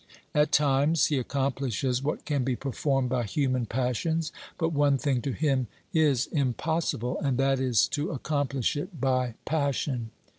At times he accomplishes what can be performed by human passions, but one thing to him is impossible, 356 OBERMANN and that is to accomplish it by passion.